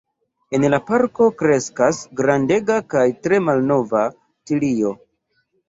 En la parko kreskas grandega kaj tre malnova tilio.